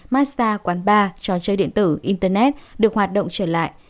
masta quán bar trò chơi điện tử internet được hoạt động trở lại